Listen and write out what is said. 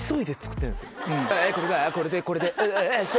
「これがこれでこれでした！」